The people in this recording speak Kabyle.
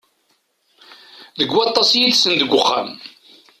Deg waṭas yid-sen deg uxxam.